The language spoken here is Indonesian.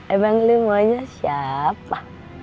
emang limanya siapa